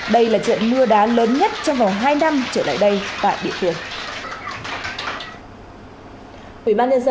đây là trận mưa đá lớn nhất trong vòng hai năm trở lại đây tại địa phương